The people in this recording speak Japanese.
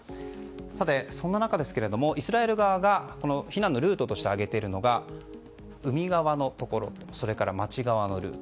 さて、そんな中ですけどもイスラエル側が避難ルートとして挙げているのが海側のところとそれから街側のルート。